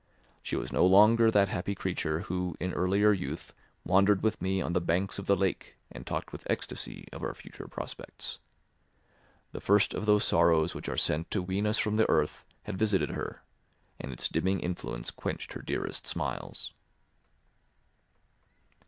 She was no longer that happy creature who in earlier youth wandered with me on the banks of the lake and talked with ecstasy of our future prospects. The first of those sorrows which are sent to wean us from the earth had visited her, and its dimming influence quenched her dearest smiles.